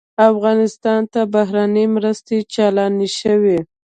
افغانستان ته بهرنۍ مرستې چالانې شوې.